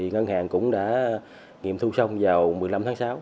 ngân hàng cũng đã nghiệm thu xong vào một mươi năm tháng sáu